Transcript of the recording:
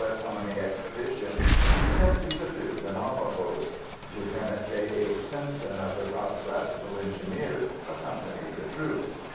S. Army expedition be sent to subdue the Navajos. Lt. J. H. Simpson of the Topographical Engineers accompanied the troops.